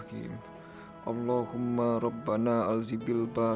ya allah kuatkanlah hatiku